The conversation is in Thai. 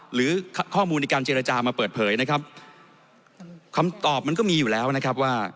หรือข้อมูลในการเจรจามาเปิดเผยนะครับคำตอบมันก็มีอยู่แล้วนะครับว่า